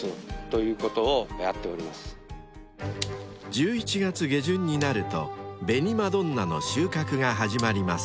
［１１月下旬になると紅まどんなの収穫が始まります］